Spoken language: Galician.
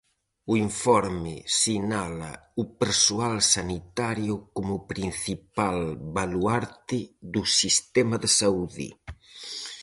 O informe sinala o persoal sanitario como principal baluarte do sistema de saúde.